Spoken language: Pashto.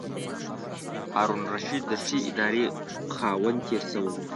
هارون الرشید د ښې ادارې خاوند تېر شوی.